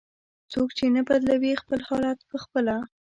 "څوک چې نه بدلوي خپل حالت په خپله".